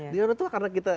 dia udah tua karena kita